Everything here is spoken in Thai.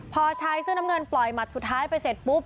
พอชายเสื้อน้ำเงินปล่อยหมัดสุดท้ายไปเสร็จปุ๊บ